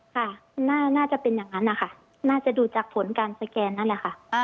ค่ะน่าจะเป็นอย่างนั้นนะคะน่าจะดูจากผลการสแกนนั่นแหละค่ะ